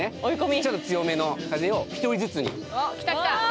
ちょっと強めの風を１人ずつに来た来た！